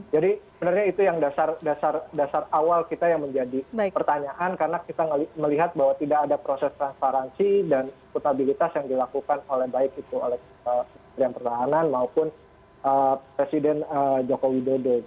jadi sebenarnya itu yang dasar awal kita yang menjadi pertanyaan karena kita melihat bahwa tidak ada proses transparansi dan kutabilitas yang dilakukan oleh baik itu oleh kementerian pertahanan maupun presiden joko widodo